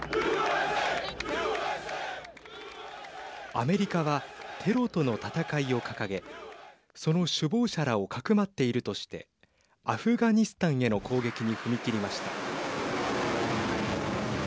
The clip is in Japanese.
アメリカはテロとの戦いを掲げその首謀者らをかくまっているとしてアフガニスタンへの攻撃に踏み切りました。